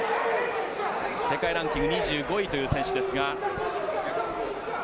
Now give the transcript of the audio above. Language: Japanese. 世界ランキング２５位という選手ですが。